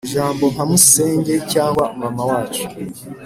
ijambo nka masenge cyangwa mama wacu